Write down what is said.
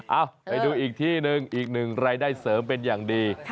ไปดูอีกที่หนึ่งอีกหนึ่งรายได้เสริมเป็นอย่างดี